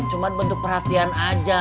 cuma bentuk perhatian aja